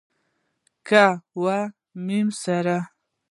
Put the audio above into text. ک و م سړی؟